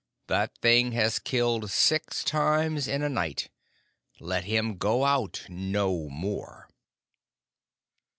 That thing has killed six times in a night. Let him go out no more."